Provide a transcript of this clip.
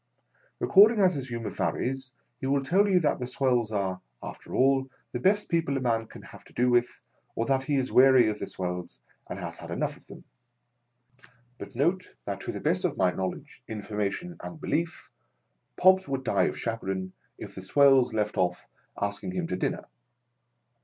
Accord ing as his humour varies, he will tell you that the swells are, after all, the best people a man can have to do with, or that he is weary of the swells and has had enough of them. But, note, that to the best of my knowledge, information, and belief, Pobbs would die of chagrin, if the swells left off asking him to Charlei Dickens.] MOTHER AND STEP MOTHER. 387 dinner.